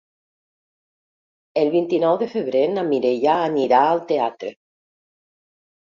El vint-i-nou de febrer na Mireia anirà al teatre.